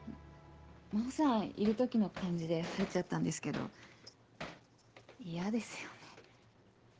真帆さんいる時の感じで入っちゃったんですけど嫌ですよね。